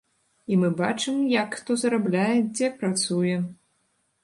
І мы бачым, як хто зарабляе, дзе працуе.